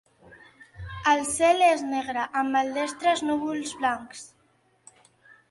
El cel és negre, amb maldestres núvols blancs.